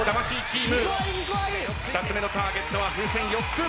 ２つ目のターゲットは風船４つ。